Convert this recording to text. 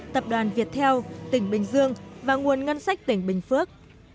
tập đoàn việt theo tỉnh bình dương và nguồn ngân sách tỉnh bình phước